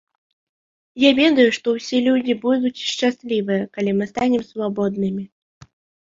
Я ведаю, што ўсе людзі будуць шчаслівыя, калі мы станем свабоднымі.